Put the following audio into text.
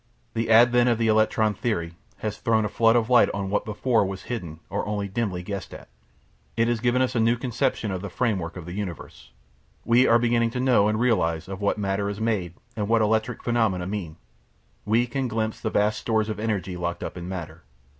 The advent of the electron theory has thrown a flood of light on what before was hidden or only dimly guessed at. It has given us a new conception of the framework of the universe. We are beginning to know and realise of what matter is made and what electric phenomena mean. We can glimpse the vast stores of energy locked up in matter.